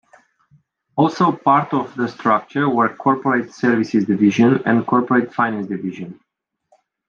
Also part of the structure were Corporate Services Division and Corporate Finance Division.